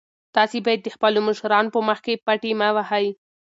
تاسي باید د خپلو مشرانو په مخ کې پټې مه وهئ.